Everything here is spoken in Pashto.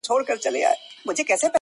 اوس یې زیارت ته په سېلونو توتکۍ نه راځي!